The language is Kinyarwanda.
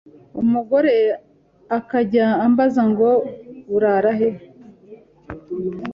umugore akajya ambaza ngo urara he,